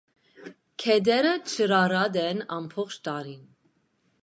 Գետերը ջրառատ են ամբողջ տարին։